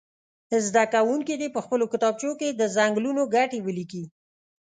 زده کوونکي دې په خپلو کتابچو کې د څنګلونو ګټې ولیکي.